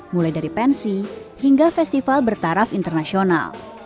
mulai dari pensi hingga festival bertaraf internasional